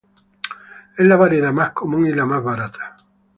Es la variedad más común y la más barata.